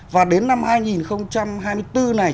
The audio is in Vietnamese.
và đến năm hai nghìn hai mươi bốn này